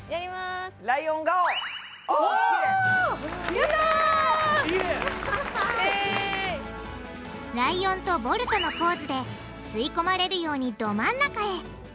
ライオンとボルトのポーズで吸い込まれるようにど真ん中へ！